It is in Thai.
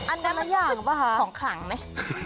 อันนั้นมันคือของขังไหม